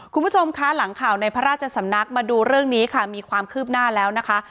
คุณผู้ชมคะหลังข่าวในพระราชสำนักมาดูเรื่องนี้ค่ะมีความคืบหน้าแล้วนะคะ